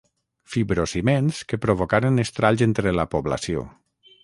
Fibrociments que provocaren estralls entre la població.